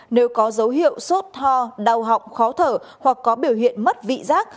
nếu có dấu hiệu sốt ho đau họng khó thở hoặc có biểu hiện mất vị giác